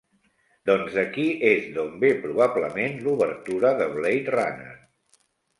Doncs d'aquí és d'on ve probablement l'obertura de "Blade Runner".